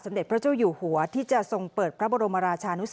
เด็จพระเจ้าอยู่หัวที่จะทรงเปิดพระบรมราชานุสว